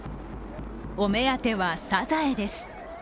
お目当てはサザエです。